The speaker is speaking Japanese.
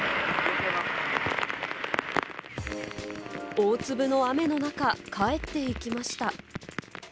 大粒の雨の中、帰っていきました。